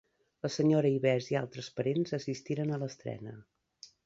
La senyora Ives i altres parents assistiren a l'estrena.